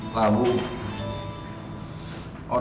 lalu apa sih